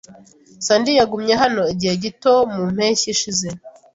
Sandy yagumye hano igihe gito mu mpeshyi ishize.